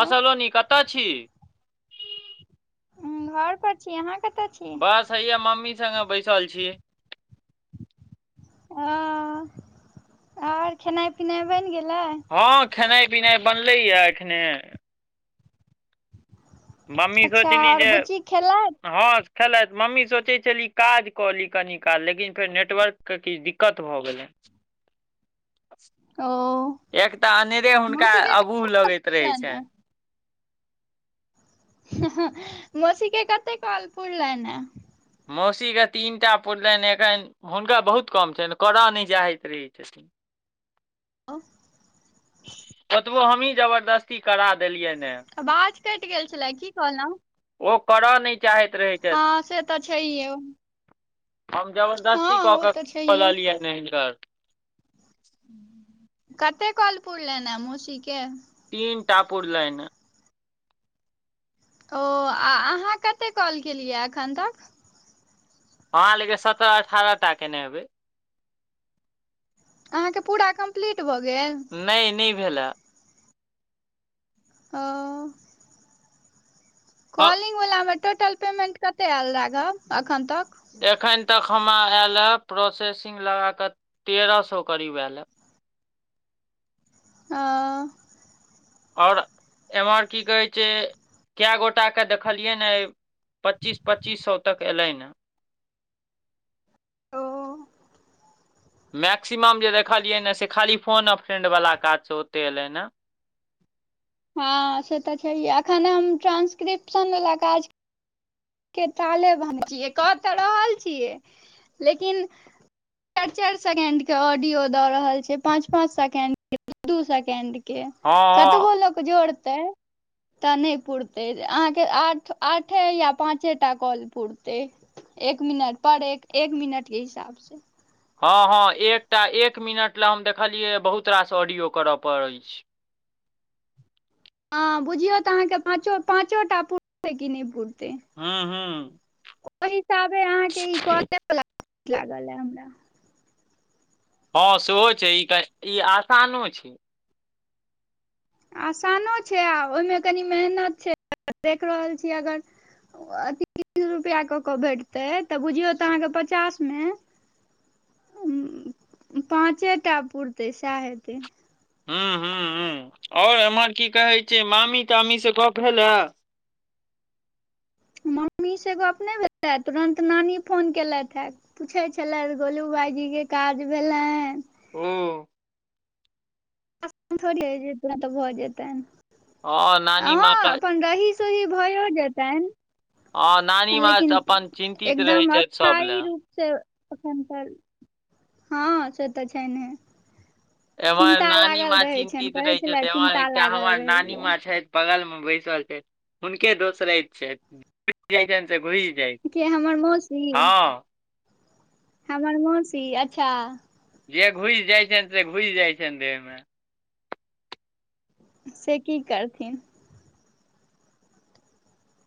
हाँ सलोनी कतऽ छी घर पर छी अहाँ कतऽ छी बस हैया मम्मी संगे बैसल छी आऽ ओर खेनाइ पिनाइ बेन गेलै हाँ खेनाइ पिनाइ बनलैया एखने। मम्मी अच्छा सोचली आओर जेय। बुच्ची खेलथि हाँ खेलेथ मम्मी सोचैत छल ई काज कऽ ली कनी काल लेकिन फेर नेटवर्कके किछ दिक्कत भऽ गेलै। ओ [inaudible] एक तऽ अनेरे हुनका मौसी के अभु लगैत रहै छैय। ह हा मौसी के कतेय काॅल पुड़लेन ये मौसीक के तीनटा पुड़लेन एखन हुनका बहुत कम छैय करय नहि चाहैत रहै छथिन। [inaudible] ओतबो हमहीं जबरदस्ती करा देलियैन ये अबाज कटि गेल छलै की कहलहु ओ करऽ नहि चाहैत रहै छथि हाँ से तऽ छैय यो हम जबरदस्ती कऽ के तऽ छैहे खोलये ने हिनकर कते काॅल पुरलेनय मौसी के तीन टा पुरलैन ह ओ आ अहाँ कतै कॉल केलियै एखन तक अहाँ लऽकेऽ सत्रह अठारह टा केने हेयबै अहाँके पूरा कम्प्लीट भऽ गेल। नहि नहि भेलै अ ओ हँ कॉलिंग वलामे टोटल पेमेंट कतय आयल राघब एखन तक एखन तक हमरा आयल है प्रोसेसिंग लगाकऽ तेरह सो करीब आयल है। आ आओर एम्हर की कहे छै कए गोट के देखलियै ने पच्चीस पच्चीस सए तक एलै ह ओ मैक्सिमम जे देखलियै ने से खाली फोन फ्रेंड वालला काज छै ओते एलै ने हँ से तऽ छैह एखन हम ट्रान्सक्रिप्शन वला काज के ताले भन छियै क तऽ रहल छियै लेकिन चारि चारि सेकेंड के ऑडियो द रहल छै पांच पांच सेकें्ड के दू सेकेंड के के हँ हँ कतबो लोक जोरते त नई पुरते आहाँ के आ आठ पाँचेटा कॉल पुरतै एक मिनट पर एक एक मिनटके हिसाबसँ हँ हँ एकटा एक मिनट लेलए हम देखलियै बहुत रास ऑडियो करय पड़ अछि हँ बुझियौ तऽ अहाँकेँ पाँचो पाँचोटा पुरतै कि नहि पुरतै हँ हँ ओहि हिसाबे अहाँके ई कलेवला लागल हमरा हँ सेहो छै ई ई आसानो छै आसानो छै आ ओहिमे कनी मेहनत छै देख रहल छी अगर अथी [unintelligible] रुपआ कऽ केऽ भेटतै तऽ बुझियौ तऽ अहाँके पचास मे पाँचे टा पुरतै सएह हेतै हू ह ह ओर एमहर की कहै छै मामी तामी से गप भेल ए मम्मीसँ गोप ने भेलै तुरन्त नानी फोन केलथि हेँ पूछे छलथि गोलूबाईजी के काज भेलनि ओ थोड़ी जेत तऽ भऽ जेतै हँ अ नानी माँ क अपन की सही भयो हँ नानी जेतनि माँ लेकिन अपन चिन्तित रहै एकदम छथि सब लए अथायी रूप से अखन फेर हँ से तऽ छै ने एमर नानी माँ रहै छनि चिन्तित कहै रहै छै छले चिन्ता तऽ लागल हमर नानी माँ रहैये छैथ बगल में बैसल छै हुनके दोस रहैत छै जाय छनि से घु के हमर मौसी हमर मौसी अच्छा जे घुसि जाइ छनि से घुसि जाइ छनि देहमे से की करथिन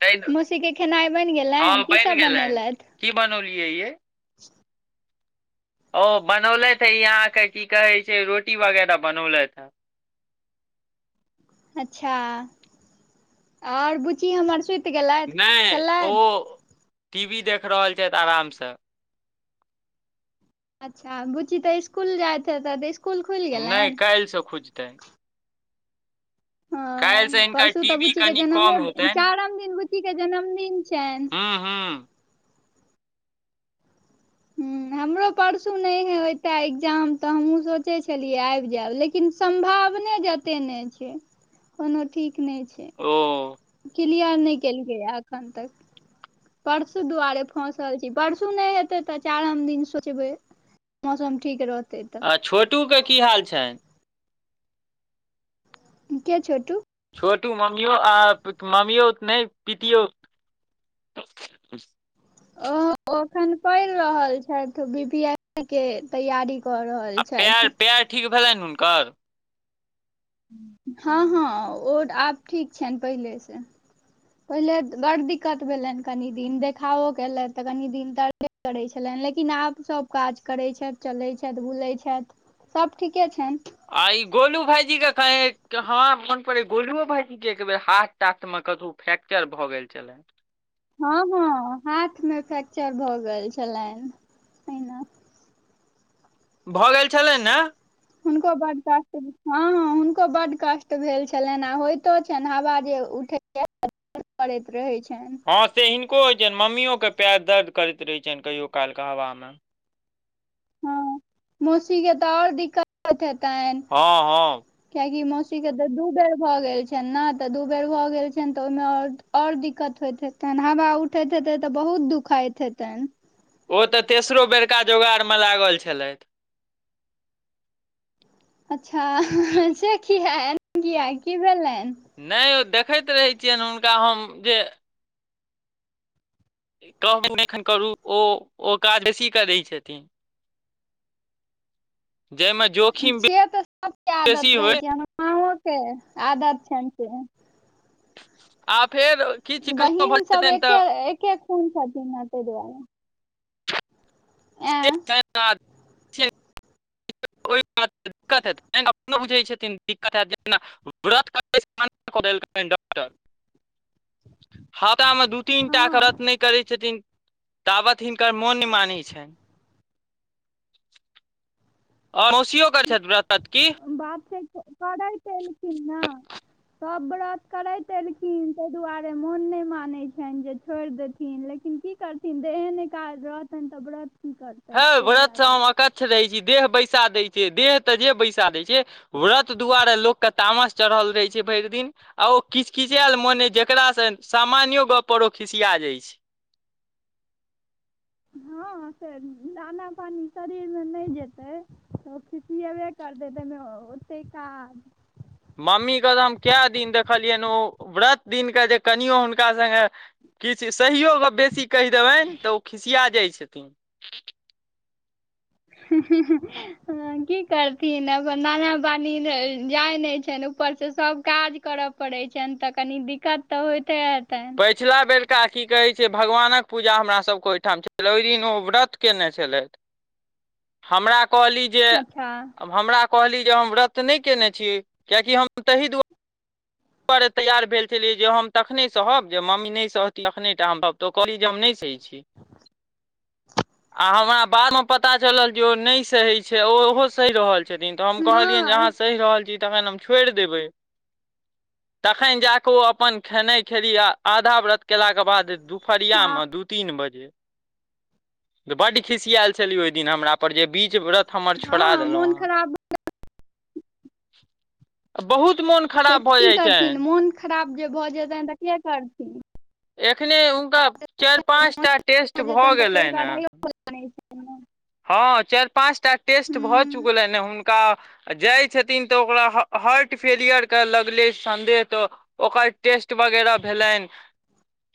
तै मौसी के खेनाइ बनि गेलनि हँ की बनि सब गेलनि बनेलथि की बनौलियै ये [inaudible] ओ बनौलथि हँ ई अहाँके की कहैत छै रोटी वगैरह बनौलथि हँ अच्छा आओर बुची हमर सुत नहि ओ टी वी देख रहल छथि आरामसँ अच्छा बुच्ची तऽ स्कुल जायत हेतय तऽ नहि काल्हिसँ खुजतनि ह काल्हिसँ हिनकर परसू टी तऽ वी बुच्ची के कनि जनमे कम दिन हेतनि चारम दिन बुच्ची के जन्मदिन छनि हू ह [inaudible] हमरो परसू नहि है ओते एग्जाम तऽ हमहहुँ सोचै छलियै आबि जायब लेकिन सम्भावने जेत ते नहि छै कोनो ठीक नहि छै ओ कलियर नहि कलके हय एखन तक परसू दुआरे फसल छी परसू नहि हेते तऽ चारम दिन सोचबै मौसम ठीक रहतै आ तऽ छोटू के की हाल छनि कै छोटू छोटू मम्मियो आ मम्मीो नहि पितियो ओ अखन पड़ि रहल छथि बी पी एस सी के तैयारी कर रहल आ पैएर छथि पैर ठीक भेलैन हुनकर। हँ हँ ओ आब ठीक छनि पहिलेसँ पहिले बड़ दिक्कत भेलनि कनी दिन देखाओ केले तऽ कनी दिन तर करै छलनि लेकिन आब सभ काज करैत छथि चलैत छथि बुलैत छथि सब ठीके छेन आ ई गोलू भैंजी के कह हमरा मोन पड़ गोलुओ भैंजी के एक बेेर हाट ताथ मे कतहु फ्रेक्चर भऽ गेल छलनि हँ हँ हाथ मे फ्रैक्चर भऽ गेल छलनि पहिना भऽ गेल छलैन ने हुनको बड्ड कष्ट हँ हँ हुनको बड्ड कष्ट भेल छलनि आ होइतो छनि हवा जे उठैत [unintelligible] रहै छनि हँ से हिनको होइ छनि मम्मियो के पैर दर्द करैत रहे छनि कहियो काल कऽ हवा मे हँ मौसी के तऽ आओर दिक्कतत हतेन हँ हँ कियाकि मौसीके तऽ दू बेर भऽ गेल छनि ने तऽ दू बेर भऽ गेल छनि तऽ ओहिमे आओर आओर दिक्कत होइत हतेन हवा उठैत हेते तऽ बहुत दुखाइत हेतनि ओ तऽ तेसरो बेरका जोगाड़ मऽ लागल छलथि [unintelligible] नै ओ देखैत रहैत छियनि हुनका हम जे कह एखन करू ओ ओ कादसी कऽ दै छथिन [unintelligible] से तऽ सभ केँ बेसी आदत रहैत होय छै हमर माँओे आदत छनि से आ फेर किछु कनियो भऽ बहिन सभ जेतनि एके एके खून छथिन ने तैय दुआरे ऐं [unintelligible] [unintelligible] [unintelligible] [inaudible] हप्ता म दू तीनटा करत हँ नै करै छथिन [inaudible] ताबत हिनकर मोन मानै छनि आर मौसियो करैत छथि व्रत की बात छै करैत ऐलखिन ना सभ व्रत करैत एलखिन तैय दुआरे मोन नै मानैत छनि जे छोड़ देथिन लेकिन की करथिन देहे नै काज रहतैन तऽ ब्रत की करथि हैय व्रत से हम अकच्छ रहै छी देह बैसा दै छै देह तऽ जे बैसा दै छै व्रत दुआरे लोककेँ तामस चढ़ल रहैत छै भैर दिन आ ओ किच किचायल मोन जेकास से सामान्यो गप पर ओ खिसिया जाइत छै हँ से दाना पानी शरीर म नै जेतै ओ खिसिऐबै करते तै में ओते काज मम्मीे तऽ हम कए दिन देखलियनि ओ व्रत दिनक के जे कनियो हुनका संगो किछ सहीयो गप बेसी कैह दवैन तऽ ओ खिसिया जाइत छथिन [unintelligible] हु की करथिन अपन नाना पानी जाय नै छनि ऊपरसँ सभ काज करब पड़ै छैनि तऽ कनि दिक्कत तऽ होइते हतैन पछिला बेरका की कहैत छै भगवानक पूजा हमरासभके ओहिठाम छलै ओहि दिन ओ व्रत कयने छलथि [inaudible] हमरा कहली जे अच्छा [inaudible] हम कहली जे हम वत्त नै केने छी किया की हम [unintelligible] तैयार भेल छलियै जे हम तखने सहब जे मम्मी नै सहती तखने टा हम तो कहली जे हम नहि सही [unintelligible] पता चलल जे ओ नै सही छै ओहो सहि रहल छथिन तऽ हम कहलियनि जे हँ अहाँ सह रहल छी तखन हम छोड़ देबै तखन जा कऽ ओ अपन खेनाइ खेली आ आधा व्रत केलाक केँ बाद दु फरिया मे दू तीन बजे तऽ बड खुसियाल छलीै ओहि दिन हमरा पर जे बीच व्रत हमर छोड़ा हँ देलौ मोन अहाँ खराब [inaudible] बहुत मोन खराब भै जाइ थिन छनि मोन खराब जे भऽ जेतनि तऽ केँ करथिन एखने हुनका चाइर पाँचटा टेस्ट भऽ जेतनि तऽ कोइ भेलैन है कड़ाइयो [unintelligible] हँ चार पाँच टा टेस्ट भऽ हुँ चुकलैन ह हुनका आ जाइ छथिन तऽ ओकरा हार्ट फेलियरके लगलै सन्देह तऽ ओकर टेस्ट वगैरह भैलैन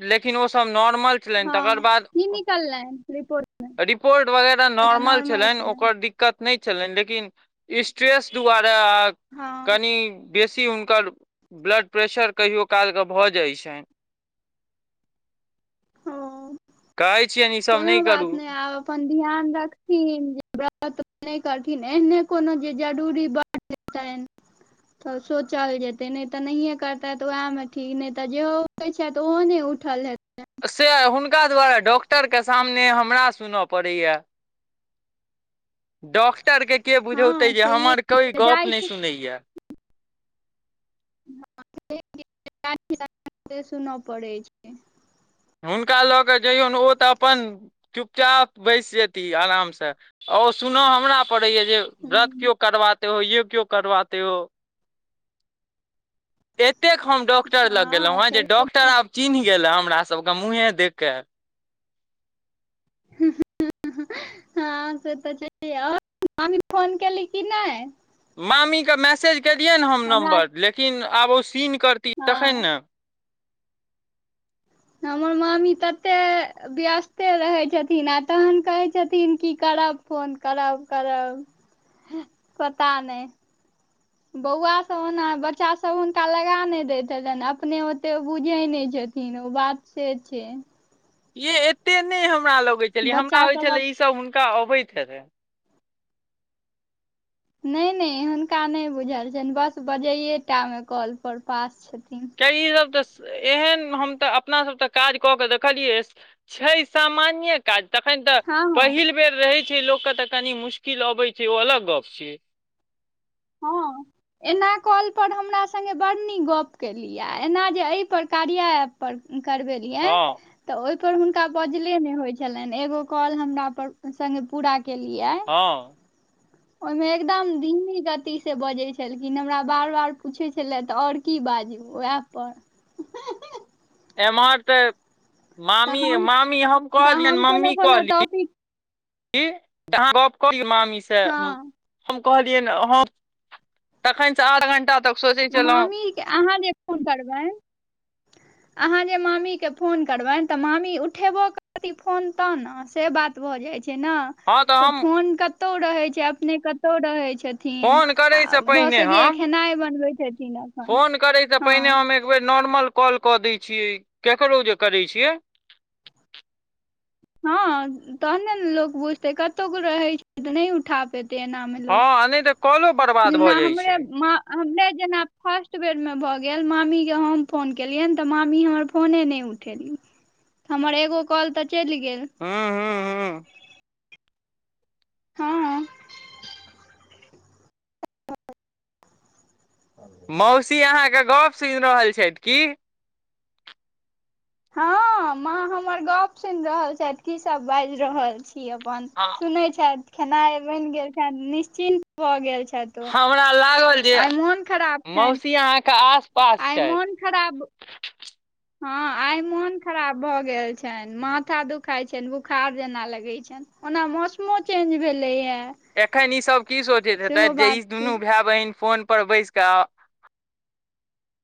[inaudible] लेकिन ओसभ नॉर्मल छलैन तकर हँ बाद की निकललनि रिपोर्ट [inaudible] रिपोर्ट वगैरह नॉर्मल छलनि ओकर दिक्कत नहि छलनि लेकिन स्ट्रेस दआारे हँ कनि बेसी हुनकर ब्लड प्रेशर कहियौ काल के भऽ जाइत छन ओ कहै छियनि ई सब कोनो नहि करू बात आब अपन ध्यान रखथिन जे व्रत नहि करथिन एहने कोनो जे जरूरी बर्थ तऽ सोचल जेतै नहि तऽ नहिे करते तऽ उएह मे ठीक ने तऽ जेहो छैऽ ओहो नहि उठल हे से हुनका द्वारे डॉक्टर के सामने हमरा सुनय पड़ैए डॉक्टरके के बुझौते हँ जे छैहे हमर कोइ गप जाइ नहि छै सुनैया [unintelligible] सुनऽ पड़ै छै हुनका लऽ कऽ जैयौन ओ तऽ अपन चुपचाप बैस जेती आराम से सुन हमरा पड़ैया जे व्रत हुँ केो करबा य केओ करबे हो आते हम डॉक्टर लग गेलो हँ हं जे छैहे की डॉक्टर आब चिन्ह गेले हमरा सब के मुंहे देख के हँ से तऽ छै और मामी फोन केली कि नई मामी के मैसेज क दियै ने हम हमरा नम्बर लेकिन आब ओ सीन करती तखन हँ ने हमर मम्मी तते व्यस्ते रहैत छथिन आ तहन कहैत छथिन की करब फोन करब करब पता नहि बौआ सभ ओना बच्चा सभ हुनका लगा नहि दैत छलनि अपने ओते बुझैत नहि छथिन बात से छै य एते नहि हमरा लगैत छलै हमरा बच्चा होइत सब छलै ईसभ हुनका अबैत हेते नहि नहि हुनका नहि बुझल छनि बस बजैे टा मे कॉल पर पास छथिन ई सब तऽ एहन हम तऽ अपना सब तऽ काज कऽ के देखलियै छै सामान्य काज तखन तऽ हँ हँ पहिल बेर रहै छै लोक के तऽ कनी मुश्किल अबै छै ओ अलग गप छियै हँ एना कॉलपर हमरा संगे बडड़ड नीक गप्प केलियए एना जे एहिपर कार्य पर करबेलियै हँ तऽ ओहि पर हुनका बजले ने होय छलनि एगो कॉल हमरा पर सग पूरा केलिये हँ ओहिमे एकदम धीमी गति की से बजै छलखिन हमरा बार बार पूछै छलय तऽ आओर की बाजू ओ ऐप पर [inaudible] एम्हर तऽ तऽ मामी हम मामी हम तऽ कहलियनि हम कोनो मम्मी कोनो कहली टॉपिक [unintelligible] हँ हम कहलियै ह तखन से आठ घं्टा तक सोचै छलहुँ मामीे के अहाँ जे फोन करबै [inaudible] अहाँ जे मामीके फोन करबनि तऽ मामी उठेबो करथि फोन तऽ ने से बात भऽ जाइ छै ने हँ तऽ ओ हम फोन कतहु रहै छै अपने कतौ रहै छै न फोन आ करयसँ भऽ पहिने सकया हम खेनाय बनबे फोन करै त पहिने हम एकबे नॉर्मल कॉल कऽ दै छियै केकरो जे करै छियै हँ तहने ने लोकोग बुझते कतो गो रहे छै तऽ नहि उठा पेते एना मे हँ आ नहि तऽ कलो बर्बाद भऽ जाइत छै हम नहि जेना फर्स्ट बेरमे भऽ गेल मामी हम फोन केलियनि तऽ मामी हमर फोने नहि उठ हमर एगो कॉल तऽ चलि गेल हँ हँ हँ हा ह मौसी अहाँ के गप सुनि रहल छथि। की हँ माँ हमर गप सुनि रहल छथि। की सभ बाजि रहल छी की अप्पन हँ। सुनैत छथि। खेनाइ बनि गेल छै। निश्चिन्त भऽ गेल छथि। ओ हमरा लागल जे आइ मोन खराब छनि मौसी अहाँ के आस पास आइ छथि मोन खराब भ गेल हा आइ मोन खराब भए गेल छनि। माथा दुखाई छनि बुखार जेना लगे छनि ओना मौसमो चेंज भेले या एखन ई सभ की सोचैत हेतै जे ई छै दुनू भाई बहिन फोन पर बैस कऽ